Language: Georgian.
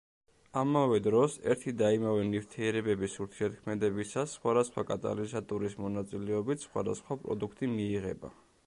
ამავე დროს ერთი და იმავე ნივთიერებების ურთიერთქმედებისას სხვადასხვა კატალიზატორის მონაწილეობით სხვადასხვა პროდუქტი მიიღება.